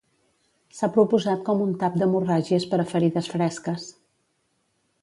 S'ha proposat com un tap d'hemorràgies per a ferides fresques.